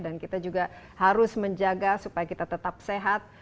dan kita juga harus menjaga supaya kita tetap sehat